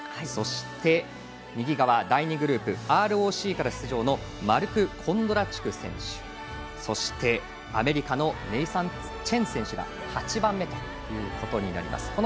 そして第２グループＲＯＣから出場のマルク・コンドラチュク選手そして、アメリカのネイサン・チェン選手が８番目となります。